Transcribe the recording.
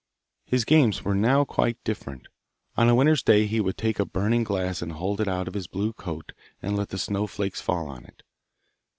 His games were now quite different. On a winter's day he would take a burning glass and hold it out on his blue coat and let the snow flakes fall on it.